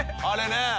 あれね。